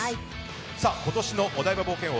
今年のお台場冒険王